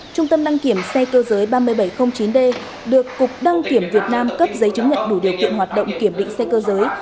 trung tâm đăng kiểm xe cơ giới ba nghìn bảy trăm linh chín d được cục đăng kiểm việt nam cấp giấy chứng nhận đủ điều kiện hoạt động kiểm định xe cơ giới